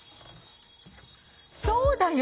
そうだよ。